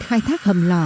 khai thác hầm lò